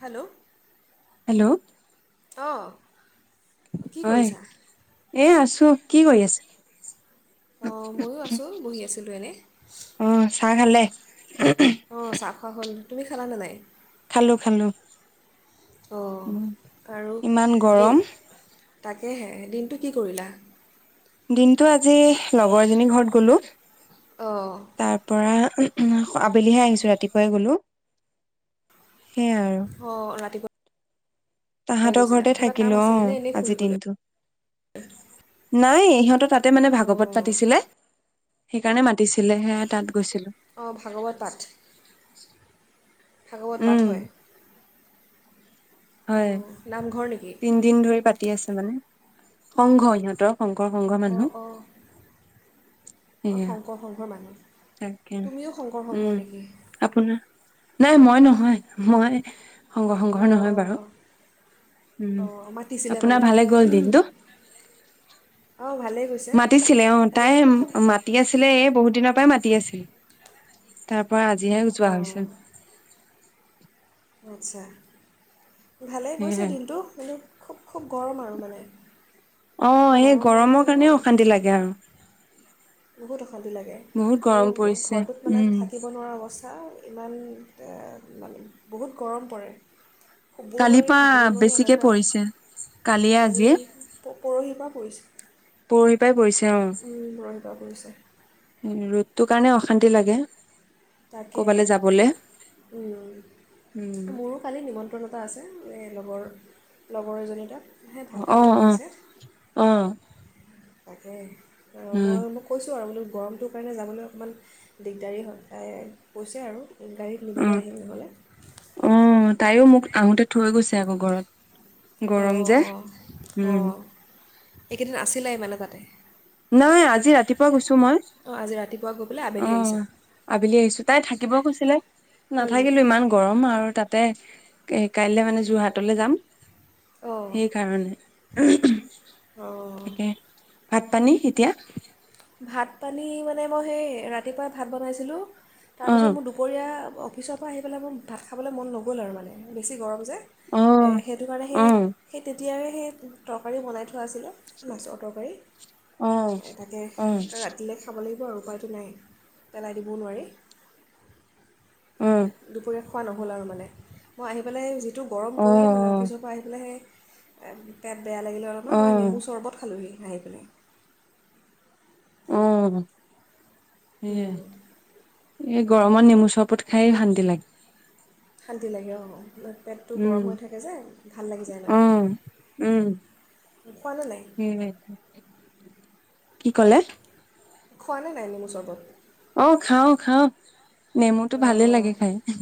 Hello. Hello অ'। হয়। এ আছো কি কৰি আছে? অ', ময়ো আছো বহি আছিলোঁ এনেই, অ চাহ খালে অ', চাহ খোৱা হ'ল। তুমি খানা নে নাই খালো খালো উ অ', আৰু ইমান গৰম দিন তাকেহে দিনটো কি কৰিলা? দিনতটো আজি লগৰ এজনীৰ ঘৰত গলো অঁ তাৰ পৰা আবেলিহে আহিছো ৰাতিপুৱাই গলো। সেইয়াই অ ৰাতিপুৱা তাহতৰ গৈছিলা ঘৰতে কিবা কাম থাকিলো আছিলেনে অ', এনেই আজিৰ ফুৰিবলৈ দিনটো, নাই সিহঁতৰ তাত এ মানে ভাগৱত অঁ পাতিছিলে সেইকাৰণে মাতিছিলে, সেয়ে তাত গৈছিলো অ', ভাগৱত পাঠ? ভাগৱত পাঠ উম হয়? হয় ও, নামঘৰ নেকি? তিনদিন ধৰি পাতি আছে মানে, সংঘ সিহঁতৰ শংকৰ শংঘৰ অঁ মানুহ। অঁ অঁ সেয়া, শংকৰ সংঘৰ মানুহ তাকে, তুমিও শংকৰ সংঘৰ উম, নেকি আপোনাৰ নাই মই নহয়, মই [inaudible] শংকৰ সংঘৰ অঁ নহয় অঁ বাৰু। অঁ উম, অঁ মাতিছিলে আপোনাৰ মানে ভালে গল দিনটো? অঁ ভালেই গৈছে মাতিছিলে অ', খালি তাই খুব মাতি আছিলে [unintelligible] বহুত দিনৰ পৰাঈ মাতি আছিল। তাৰ পৰা আজিহে যোৱা অঁ হৈছে। আচ্ছা। ভালেই গৈছে সেয়াই দিনটো, কিন্তু খুব খুব গৰম আৰু মানে, অ এই গৰম মই গৰমৰ হৈ কাৰণে অশান্তি লাগে আৰু বহুত অশান্তি লাগে বহুত আৰু গৰম পৰিছে ঘৰটোত মানে উম থাকিব নোৱাৰা অবস্তা [unintelligible] ইমান মানে, বহুত গৰম পৰে। শুবও কালিৰ নোৱাৰি পৰা থাকিব নোৱাৰি বেছিকে এনেকুৱা পৰিছে। কালিয়ে আজিয়ে পৰহি পৰা পৰিছে। [unintelligible] পাই পৰি [unintelligible] ৰ'দটোৰ কাৰণে অশান্তি লাগে। তাকে, কৰবালৈ যাবলে উম মোৰো কালি নিমন্ত্ৰণ এটা আছে। এ লগৰ লগৰ এজনীৰ তাত। সেই ভাত খাবলৈ অ', মাতিছে অ', অ'। তাকে অ', মই উম মই কৈছো আৰু বোলো গৰমটোৰ কাৰণে যাবলৈ অকণমান দিগদাৰী হয়, তাই কৈছে আৰু। গাড়ীত অ নিবলৈ আহিম নহ'লে। অ তাইও মোক আহোতে থৈ গৈছে আকৌ ঘৰত। গৰম অঁ যে, অঁ উম। অঁ এইকেইদিন আছিলে মানে তাতে। নাই আজি ৰাতিপুৱা গৈছো মই। অঁ আজি ৰাতিপুৱা গৈ পেলাই আবেলি আহিছা অ', আবেলি আহিছো, তাই থাকিব কৈছিলে। নাথাকিলোঁ, ইমান গৰম আৰু তাত [unintelligible] এ, কাইলে মানে যোৰহাটলৈ যাম। সেইকাৰণে। উহ উম। অ'। ভাত-পানী, এতিয়া। ভাত-পানী মানে, মই সেই ৰাতিপুৱাই ভাত বনাইছিলোঁ। অ তাৰপিছত মোৰ দুপৰীয়া অফ অফিচৰ পৰা আহি পেলাই, মোৰ ভাত খাবলৈ মন নগ'ল আৰু মানে বেছি গৰম যে। অ এ সেইটো কাৰণে অ সেহ [unintelligible] তিয়াৰে সেই তৰকাৰী বনাই থোৱা আছিলে, মাছৰ তৰকাৰী। অ'। ৰাতিলে খাব লাগি [unintelligible] উপায়টো নাই। পেলাই দিবও নোৱাৰি। অ দুপৰীয়া খোৱা নহ'ল আৰু মানে, মই আহি পেলাই যিট [unintelligible] গৰম অ পৰিলে মানে, অফিচৰ পৰা আহি পেলাইহে [unintelligible] বেয়া লাগিলে অলপমান, অ মই নেমু চৰবত খালোহি। আহি পেলাই। উম। এ এই গ গৰমত নেমু চৰপত খাই শান্তি লাগ শান্তি লাগে অ', ন'। পেটটো গৰম হৈ থাকে যে ভাল লাগি যায় অ মানে। উম কি ক'লে? খোৱা নে নাই নেমু চৰবত? অ', খাওঁ খাওঁ। নেমুটো ভালে অঁ লাগে খাই, উম।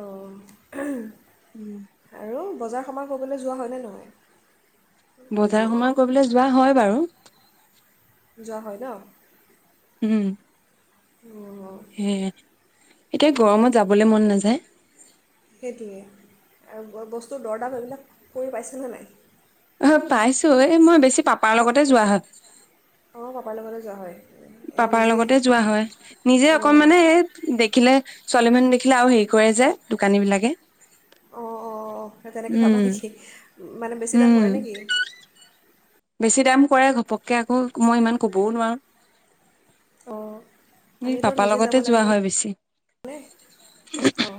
অঁ [inaudible] উম। আৰু বজাৰ সামাৰ কৰিবলৈ যোৱা হয়নে নহয়? আজি বজাৰ সমাৰ কৰিবলৈ যোৱা হয় বাৰু। যোৱা হয়, ন? উম। অঁ [unintelligible] এতিয়া গৰমত যাবলে মন নাযায়। সেইটোৱে, আৰু বস্তু দৰদাম এইবিলাক কৰি পাইছে নে নাই? অহ, পাইছোঁ। এই মই বেছি পাপাৰ লগতে যোৱা হয়। অহ, পাপাৰ লগতে যোৱা হয়। এ, পাপাৰ নিজে লগতে যোৱা হয় নিজে অঁ অকণমানে সেই দেখিলে ছোৱালী মানুহ দেখিলে আৰু হেৰি কৰে যে, দোকানী বিলাকে। অহ, অহ, অহ, তেনেকে ভাবা উম নেকি? মানে বেছি দাম উম কৰে নেকি? বেছি দাম কৰে ঘপককে, আকৌ মই ইমান কবও নোৱাৰো। অঁ নি আমিতো পাপা নিজে লগতে যোৱা হয় বেছি। অহ।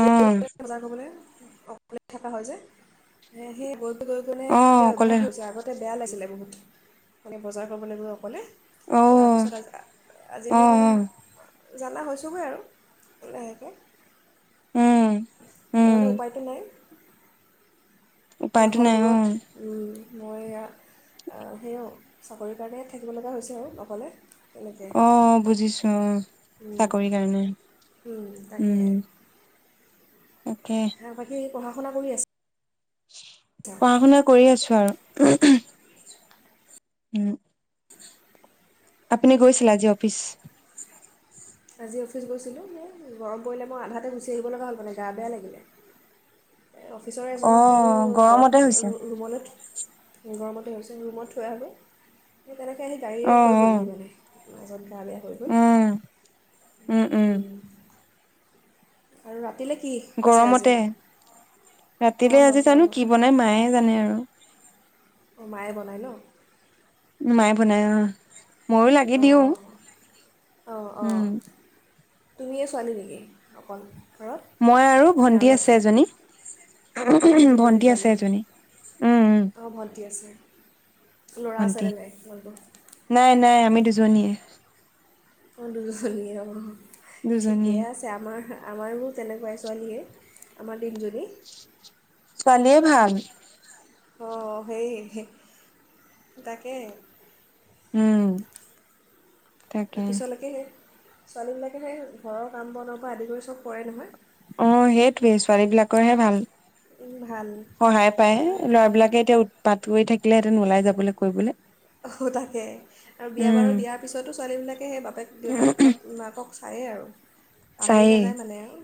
অ অকলে থকা হয় যে, সেই [unintelligible] গৈ কেনে অ এতিয়া অভ্যাস অকলে হৈছে, আগতে বেয়া লাগছিলে বহুত। মানে বজাৰ কৰিবলৈ গৈ অকলে অ তাৰ পিছত আজি অ অ আজিকালি মানে জানা হৈছোগে আৰু লাহেকে। উম উম নহ'লে উপায়টো নাই। উপায়তো ঘৰ নাই দূৰত, অ উম। মই এয়া সেইয়ো চাকৰিৰ কাৰণে থাকিব লগা হৈছে আৰু অকলে। তেনেকৈ অ', বুজিছোঁ, অ'। চাকৰি কাৰণে, তাকে উম। তাকে। বাকী পঢ়া শুনা কৰি আছ পঢ়া শুনা কৰি আছোঁ আৰু। উম। আপুনি গৈছিল আজি অফিচ? আজি অফিচ গৈছিলোঁ, সেই গৰম পৰিলে মই আধাতে গুচি আহিব লগা হ'ল মানে গা বেয়া লাগিলে। অফিচৰে অ এজনক কলোঁ ঘৰত গৰমতে হৈছে ৰু-ৰুমলে থৈ গৰমতে হৈছে, ৰুমত থৈ আহাগৈ। তেনেকে আহি গাড়ীৰে অ থৈ অ গ'লহি মানে। [unintelligible] গা বেয়া হৈ গ'ল। উম উম। আৰু ৰা গৰমতে ৰাতিলে গৰমত আজি জানো গৰমত কি বনাই মায়ে জানে আৰু। অঁ মায়ে বনায় ন উ মা'য়ে বনাই অ'। ময়ো লাগি দিওঁ। অঁ অঁ অঁ উম তুমিয়ে ছোৱালী নেকি অকল ঘৰত মই আৰু ভন্টি আছে এজনী অঁ দুজনী ভন্টি আছে ছোৱালী এজনী উম উম অঁ ভণ্টি আছে ল'ৰা ভন্টি আছেনে নাই তোমালোকৰ নাই নাই আমি দুজনীয়ে। [inaudible] ঠিকে দুজনীয়ে আছে আমাৰ আমাৰো তেনেকুৱাই ছোৱালীয়ে, আমাৰ তিনিজনী। ছোৱালীয়ে ভাল। অ সেই তাকে উম। তাকে পিছলৈকেহে ছোৱালীবিলাকে সেই ঘৰৰ কাম বনৰ পৰা আদি কৰি চব কৰে নহয় অ', সেইটোৱে ছোৱালী বিলাকৰহে ভাল। উম, ভাল সহায় পায় হয় ল'ৰাবলাকে এতিয়া পাত কৰি থাকিলেহেঁতেন ওলাই যাবলৈ কৰিবলৈ অ', তাকে আৰু বিয়া বাৰু উম দিয়াৰ পিছতো ছোৱালীবিলাকে সেই বাপেক দেউতাক বা মাকক চায়েই আৰু। পাহৰি চায়েই নাযায় মানে আৰু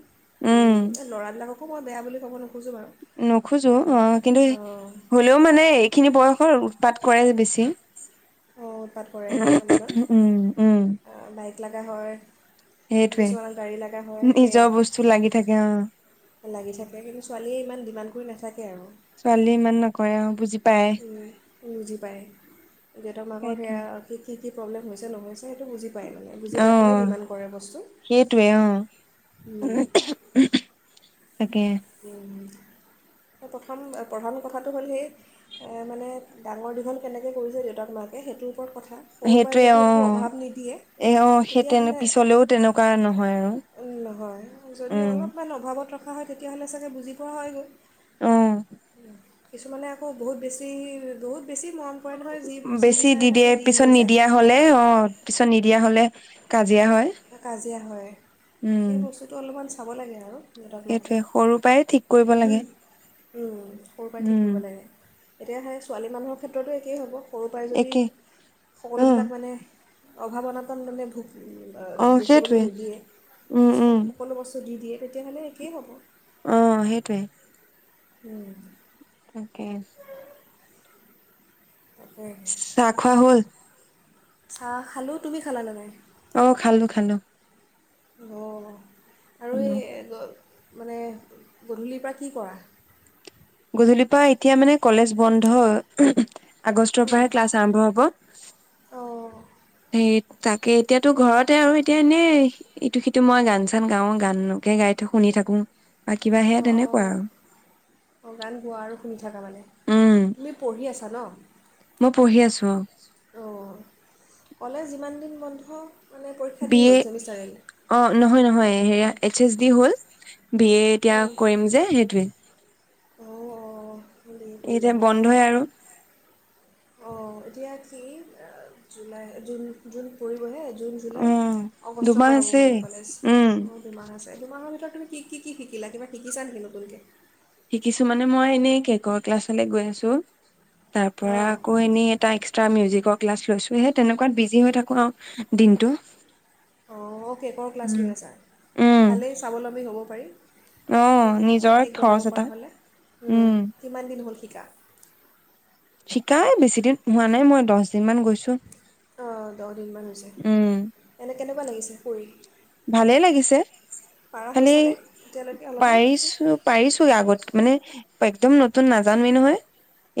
উম ল'ৰা বিলাকক আ মই বেয়া বুলি ক'ব নোঁ নোখোজো অ কিন্তু অঁ হলেও মানে এইখিনি বয়সৰ তাত কৰে যে বেছি অ', উৎপাত কৰে উম অলপমান বা লগা হয় সেইটোয়ে কিছুমানক গাড়ী লগা হয় সেয়া নিজৰ বস্তু লাগি থাকে অ'। লাগি থাকে কিন্তু ছোৱালীয়ে ইমান দিমান্ড কৰি নাথাকে আৰু। ছোৱালী ইমান নকৰে অ বুজি [inaudible] উ, বুজি পায়। দেউতাক মাকৰ সেয়াই আৰুনো কি। কি প্ৰব্লেম হৈছে নহয়ছে সেইটো বুজি পায় মানে বুজি পাই পেলাই অঁ ডিমাণ্ড কৰে বস্তু সেইটোৱে অ উম, তাকে [inaudible] প্ৰথম প্ৰধান কথাটো হ'ল হে, সেই মানে ডাঙৰ দীঘল কেনেকৈ কৰিলো, দেউতাক নুহোঁৱাকে। সেটোয়েই এটা কথা, সৰু পৰাই সেইটোৱে যদি অ একো অভাৱ নিদিয়ে এ অ সেই তেতিয়া তেনে হলে। পিছলেও তেনেকুৱা নহয় আৰু নহয় যদি উম অলপ মান অভাৱত ৰাখোঁ মহাদেৱ। তেতিয়া হ'লে চাগে বুজি পোৱা হ'ই গ'ল। অ [inaudible] কিছুমানে আকৌ বহুত বেছি বহুত বেছি মৰম কৰে নহয় যি যি বেছি বিচাৰে দি তাকে দিয়ে। পিছত যে নিদিয়া হলে, অ পিছত নিদিয়া হলে। কাক? কাজিয়া হয়, উম সেই বস্তুটো অলপমান। চাব লাগে আৰু। দেউতাক, মাকে। সেইটোৱে সৰু পৰাই ঠিক কৰিব উ, লাগে উ সৰু পৰাই ঠিক উম কৰিব লাগে। এতিয়া সেই ছোৱালী মানুহক ক্ষেত্ৰতো একেই হ'ব। সৰুৰ পৰাই যদি একে অ সকলোবিলাক মানে অভাৱ, অনাতন মানে ভু অ দেখিবলৈ সেইটোৱে নিদিয়ে। উম চব উম সকলো বস্তু যদি দিয়ে তেতিয়াহ'লে একেই হ'ব। অ, সেইটোৱে। [unintelligible] উম তাকে তাকে চাহ খোৱা হ'ল। চাহ খালোঁ তুমি খালা নে নাই? অ খালো খালো। অ আৰু খালো এই মানে, গধূলিৰ পৰা কি কৰা? গধূলিৰ পৰা, এতিয়া মানে কলেজ বন্ধ আগষ্টৰ পৰাহে ক্লাছ আৰম্ভ হ'ব। অঁ সেই তাকে এতিয়াাতো ঘৰতে আৰু এতিয়া এনে ইটো সিটো, মই গান চান গাও, গানকে গাই শুনি থাকো। বা কিবা সেয়া অ', অ', তেনেকুৱা অ'। আৰু অ', গান গোৱা আৰু শুনি থাকা মানে? উম তুমি পঢ়ি আছ খালা মই পঢ়ি আছো, অ অ', ক'লে যিমান দিন বন্ধ। মানে পৰীক্ষা দি বিএ, হ'ল ছেমিষ্টাৰ এণ্ড অ' নহয়-নহয়। এয়া এইচ-এছ-ডি হল। বিএ এতিয়া কৰিম যে সেইটোৱে। অ', অ'। এতিয়া বন্ধই আৰু। অ এতিয়া কি, জুলাই জুন-জুন পৰিবহে। জুন, জুলাই, উম আগষ্টৰ দুমাহ পৰা হ'ব আছে মানে কলেজ উম আৰু দুমাহ আছে। দুমাহৰ ভিতৰত তুমি কি-কি শিকিলা, কিবা শিকিছা নেকি নতুনকে? শিকিছো মানে মই এনেই কেকৰ ক্লাছলৈ গৈ আছো। তাৰ পৰা অঁ আকৌ এনেই এটা এক্সট্ৰা মিউজিক পৰ ক্লাছ লৈছো হে তেনেকুৱাত বিজি হৈ থাকো আৰু দিনটো। অ। কেকৰ ক্লাছ উম লৈ আছ, উম ভালেই স্বাৱলম্বী হ'ব অ পাৰি নিজৰ কেক বনাব খৰচ এটা পৰা হ'লে, উম কিমান দিন হ'ল শিক শিকা শিকাই বেছি দিন হোৱা নাই, মই দহ দিন মান গৈছো। অঁ দহ দিনমান হৈছে, এনে কেনেকুৱা লাগিছে কৰি? ভালে লাগিছে, পাৰা খালি হৈছানে এতিয়ালৈকে অলপমান পাৰিছো-পাৰিছো আগত মানে একদম নতুন নাজানোৱেই নহয়।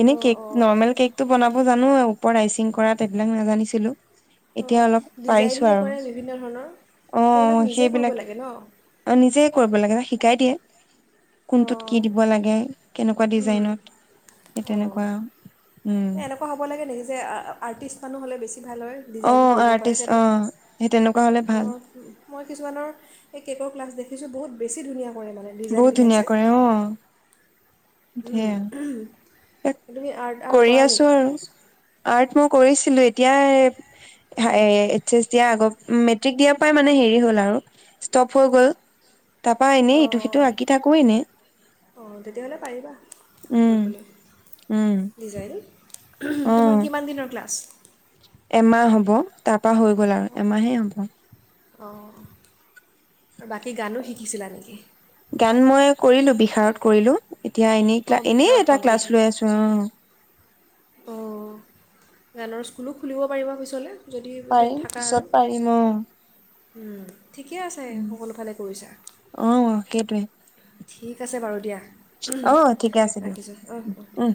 এনেই অঁ কেক, অঁ নৰ্মেল কেকটো বনাব অঁ', জানো ওপৰত আইচিং কৰাটবিলাক নাজানিছিলো। অ', এতিয়া অলপ ডিজাইন যে কৰে বিভিন্ন ধৰণৰ সেইবিলাক অঁ', নিজেই কৰিব সেইবিলাক লাগে ন অঁ নিজে কৰিব লাগে শিক ই দিয়ে। কোনটোত অঁ কি দিব লাগে? কেনেকুৱা উম, ডিজাইনত? সেই অঁ তেনেকুৱা, উম। এই এনেকুৱা হ'ব লাগে নেকি আৰ্টিষ্ট মানহ হ'লে বেছি ভালৰে অ ডিজাইন কৰিব পাৰে আৰ্টিষ্ট তেনেক, অ সেই তেনেকুৱা হলে ভাল মই কিছুমানৰ এই কেকৰ ক্লাছ দেখোঁ দেখিছোঁ বহুত বেছি ধুনীয়া কৰে মানে বহুত ডিজাইনবিলাক ধুনীয়া যে কৰে, অঁ। উম। এইটো আৰ্ট-আৰ্ট কৰি কৰা আছো নেকি? আৰু আৰ্ট মই কৰিছিলো। এতিয়া এইচ এছ দিয়া আগৰ, মেট্ৰিক দিয়াৰ পৰাই মানে হেৰি হল আৰু ষ্টপ হৈ গল। তাৰাপা এনে ইটো-সিটো অঁ আঁকি থাকো এনে। অঁ তেতিয়াহ'লে পাৰিবা উম। কৰিবলৈ উম ডিজাইন অ তোমাৰ কিমান দিনৰ ক্লাছ? এমাহ হ'ব তাৰ পাহৰি গ'ল আৰু এমাহেই হ'ব অঁ বাকী গানো শিকিছিলা নেকি গান মই কৰিলো বিশষাৰত কৰিলো এতিয়া এনেই অঁ ক্লা এনেই বিশাৰত এটা ক্লাছ কমপ্লিট হ'ল লৈ আছো অ অঁ গানৰ স্কুলো খুলিব পাৰিবা পিছলে পাৰিম পিছত পাৰিম অ উম ঠিকে আছে উম, সকলো ফালে কৰিছা অ সেইটোৱে ঠিক আছে বাৰু দিয়া অ ঠিকে আছে দিয়ক ৰাখিছোঁ অঁ অঁ দিয়া উম